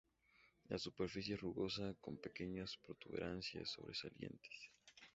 La superficie es rugosa, con pequeñas protuberancias sobresalientes.